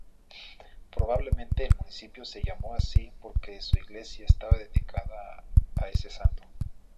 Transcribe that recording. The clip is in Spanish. Probablemente el municipio se llamó así porque su iglesia estaba dedicada a ese santo.